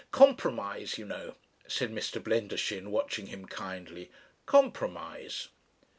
"Compromise, you know," said Mr. Blendershin, watching him kindly. "Compromise."